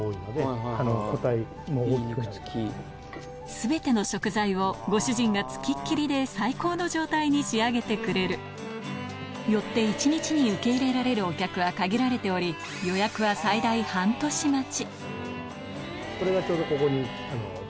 全ての食材をご主人が付きっきりで最高の状態に仕上げてくれるよって１日に受け入れられるお客は限られておりこれがちょうどここに。